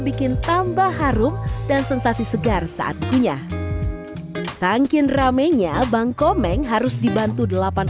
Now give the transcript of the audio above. bikin tambah harum dan sensasi segar saat kunyah sangkin ramenya bangkomeng harus dibantu delapan